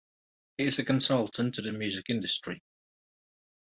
He is a consultant to the music industry.